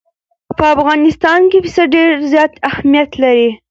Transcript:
په افغانستان کې پسه ډېر زیات اهمیت لري.